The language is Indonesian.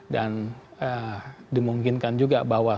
dan dimungkinkan juga bahwa